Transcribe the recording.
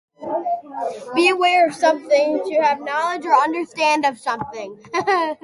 Be aware of something - to have knowledge or understanding of something.